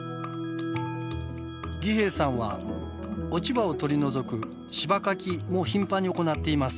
儀兵衛さんは落ち葉を取り除く「柴かき」も頻繁に行っています。